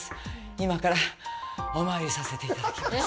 今からお参りさせていただきます。